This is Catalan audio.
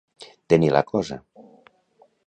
Tenir la cosa.